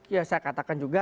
ya saya katakan juga